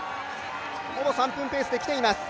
ほぼ３分ペースできています。